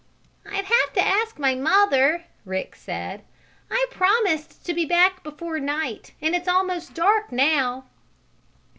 "I'd have to ask my mother," Rick said. "I promised to be back before night, and it's almost dark now."